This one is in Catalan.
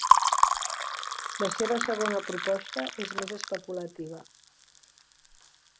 La seva segona proposta és més especulativa.